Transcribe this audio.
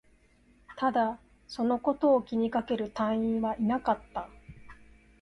ただ、そのことを気にかける隊員はいなかった